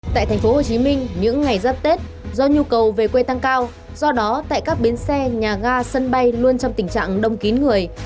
tại tp hcm những ngày giáp tết do nhu cầu về quê tăng cao do đó tại các bến xe nhà ga sân bay luôn trong tình trạng đông kín người